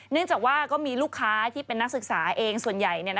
เนื่องจากว่าก็มีลูกค้าที่เป็นนักศึกษาเองส่วนใหญ่